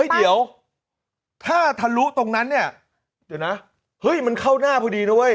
เดี๋ยวถ้าทะลุตรงนั้นเนี่ยเดี๋ยวนะเฮ้ยมันเข้าหน้าพอดีนะเว้ย